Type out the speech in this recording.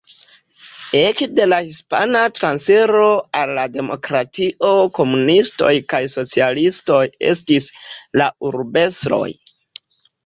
Ekde la Hispana Transiro al la Demokratio komunistoj kaj socialistoj estis la urbestroj.